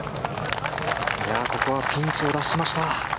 ここはピンチを脱しました。